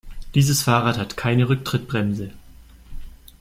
Dieses Fahrrad hat keine Rücktrittbremse.